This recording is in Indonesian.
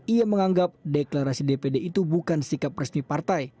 ia menganggap deklarasi dpd itu bukan sikap resmi partai